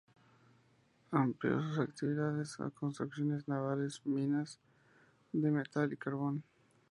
Amplió sus actividades a construcciones navales, minas de metal y carbón.